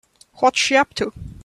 What's she up to?